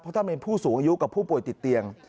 เพราะถ้าเป็นผู้สูงอายุกับผู้ป่วยติดเตียง